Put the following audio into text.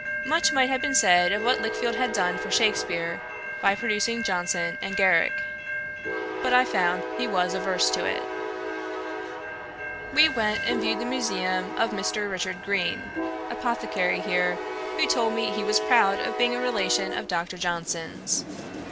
Much might have been said of what Lichfield had done for Shakspeare, by producing Johnson and Garrick. But I found he was averse to it. We went and viewed the museum of Mr. Richard Green, apothecary here, who told me he was proud of being a relation of Dr. Johnson's.